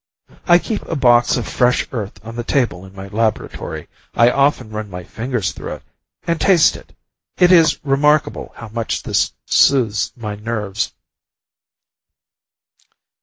I keep a box of fresh earth on the table in my laboratory. I often run my hands through it, and taste it. It is remarkable how much this soothes my nerves.